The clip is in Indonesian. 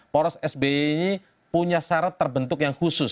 poros sby ini punya syarat terbentuk yang khusus